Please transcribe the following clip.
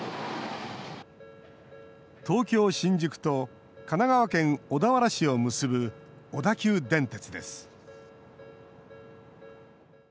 東京・新宿と神奈川県小田原市を結ぶ小田急電鉄です。